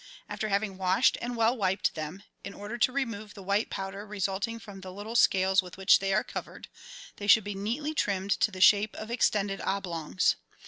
After having washed and well wiped them, in order to re move the white powder resulting from the little scales with which they are covered, they should be neatly trimmed to the shape of extended oblongs.